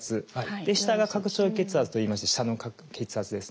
下が「拡張血圧」といいまして下の血圧ですね。